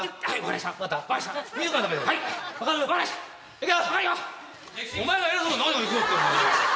いくよ！